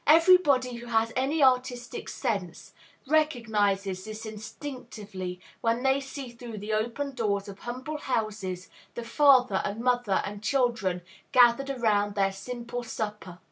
Everybody who has any artistic sense recognizes this instinctively when they see through the open doors of humble houses the father and mother and children gathered around their simple supper.